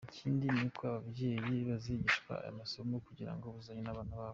Ikindi ni uko n’ababyeyi bazigishwa aya masomo, kugira ngo buzuzanye n’abana babo”.